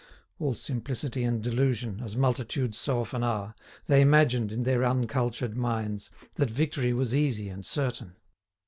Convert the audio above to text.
All simplicity and delusion, as multitudes so often are, they imagined, in their uncultured minds, that victory was easy and certain.